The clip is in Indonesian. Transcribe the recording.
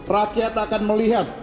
rakyat akan melihat